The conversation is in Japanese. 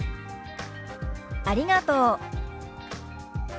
「ありがとう」。